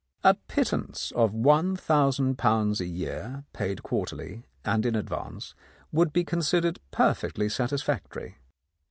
A pittance of ;£i,ooo a year paid quarterly, and in advance, would be considered perfectly satisfactory.